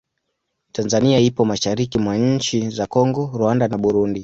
Tanzania ipo mashariki mwa nchi za Kongo, Rwanda na Burundi.